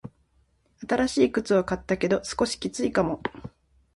新しい靴を買ったけど、少しきついかも。